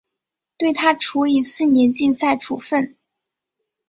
对她处以四年禁赛处分。